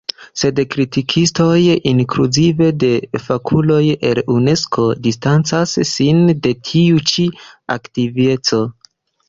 Sed kritikistoj, inkluzive de fakuloj el Unesko, distancas sin de tiu ĉi aktiveco.